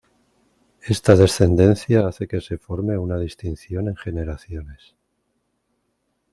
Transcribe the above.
Esta descendencia hace que se forme una distinción en generaciones.